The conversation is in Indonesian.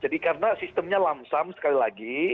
jadi karena sistemnya lamsam sekali lagi